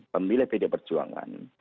pemilih pdi perjuangan